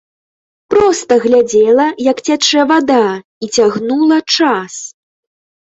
Проста глядзела, як цячэ вада, і цягнула час.